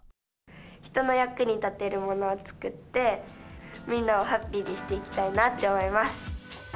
人の役に立てるものを作って、みんなをハッピーにしていきたいなって思います。